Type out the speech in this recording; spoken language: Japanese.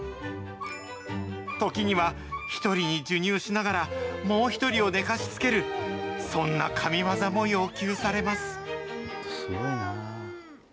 時には１人に授乳しながら、もう１人を寝かしつける、そんな神業も要求されます。